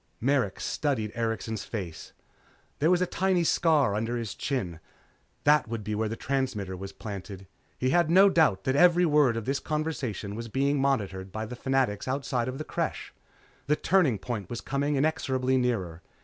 Merrick studied Erikson's face. There was a tiny scar under his chin. That would be where the transmitter was planted. He had no doubt that every word of this conversation was being monitored by the Fanatics outside the Creche. The turning point was coming inexorably nearer.